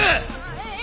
えっ！？